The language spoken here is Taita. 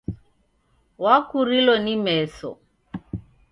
Wakurilo ni meso!